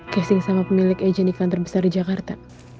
gazing sama pemilik agent iklan terbesar di jakarta